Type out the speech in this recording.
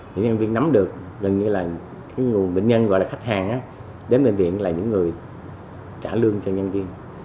thì nhân viên nắm được gần như là cái nguồn bệnh nhân gọi là khách hàng đến bệnh viện là những người trả lương cho nhân viên